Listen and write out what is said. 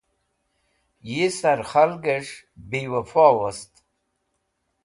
Yi sar khalgẽs̃h biwẽfo wost.